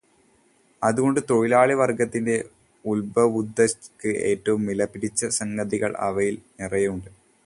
അതുകൊണ്ട് തൊഴിലാളി വർഗത്തിന്റെ ഉൽബുദ്ധതയ്ക്ക് ഏറ്റവും വിലപിടിച്ച സംഗതികൾ അവയിൽ നിറയെ ഉണ്ട്.